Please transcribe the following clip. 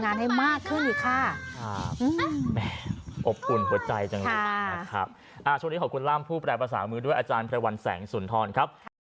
งานให้มากขึ้นค่ะอบอุ่นหัวใจจังเลยช่วงนี้ขอบคุณล่ามผู้แปรประสามือด้วยอาจารย์พระวันแสงสุนทรครับ